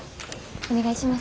お願いします。